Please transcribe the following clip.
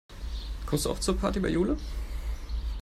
Kommst du auch zur Party bei Jule?